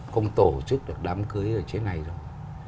không được đám cưới ở trên này rồi